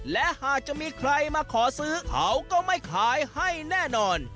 และหากจะมีใครมาขอซื้อเขาก็ไม่ขายให้แน่นอน